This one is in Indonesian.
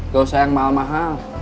gak usah yang mahal mahal